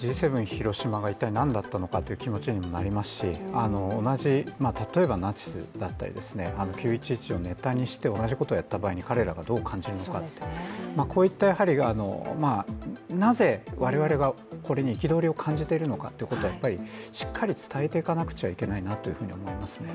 広島が一体何だったのかという気持ちにもなりますし、同じ例えばナチスだったりとか、９・１１をネタにして同じことをやった場合に彼らがどう感じるのかこういった、なぜ我々がこれに憤りを感じているのかということはやっぱりしっかり伝えていかなきゃいけないなっていうふうに思いますね。